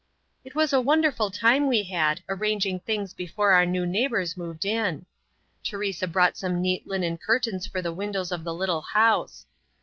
It was a wonderful time we had, arranging things before our new neighbors moved in. Teresa bought some neat linen curtains for the windows of the little house.